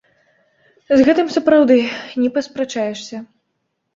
З гэтым, сапраўды, не паспрачаешся.